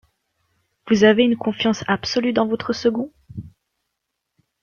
Vous avez une confiance absolue dans votre second?